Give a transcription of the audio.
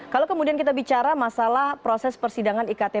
kalau kemudian kita bicara masalah proses persidangan iktp